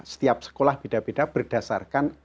setiap sekolah beda beda berdasarkan